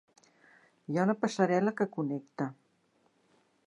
Hi ha una passarel·la que connecta.